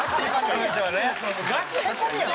ガチへこみやん